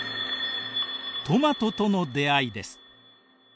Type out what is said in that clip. トマトとの出会いです。